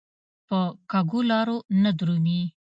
په کږو لارو نه درومي.